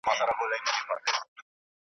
چي د تل لپاره .